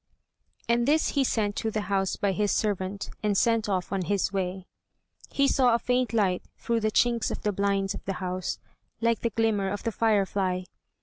And this he sent to the house by his servant, and set off on his way. He saw a faint light through the chinks of the blinds of the house, like the glimmer of the firefly.